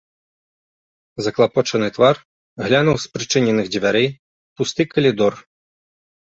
Заклапочаны твар глянуў з прычыненых дзвярэй у пусты калідор.